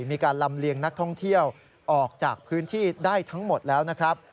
มีการลำเลียงนักท่องเที่ยวออกจากพื้นที่ได้ทั้งหมดแล้วนะครับ